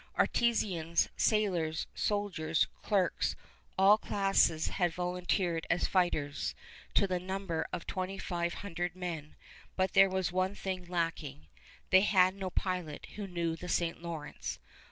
Artisans, sailors, soldiers, clerks, all classes had volunteered as fighters, to the number of twenty five hundred men; but there was one thing lacking, they had no pilot who knew the St. Lawrence.